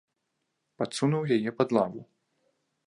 Падсунуў яе пад лаву.